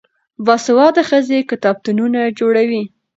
باسواده ښځې کتابتونونه جوړوي.